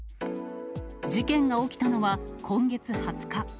事件が起きたのは今月２０日。